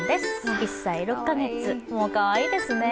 １歳６か月、もうかわいいですね。